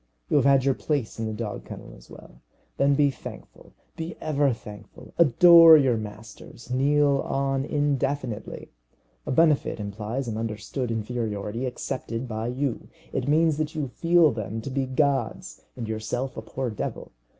You have had your place in the dog kennel as well. Then be thankful be ever thankful. Adore your masters. Kneel on indefinitely. A benefit implies an understood inferiority accepted by you. It means that you feel them to be gods and yourself a poor devil.